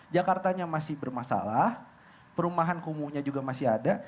jakartanya masih bermasalah perumahan kumuhnya juga masih ada